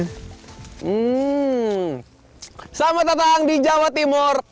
hmm selamat datang di jawa timur